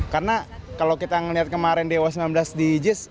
karena kalau kita ngeliat kemarin di u sembilan belas di jis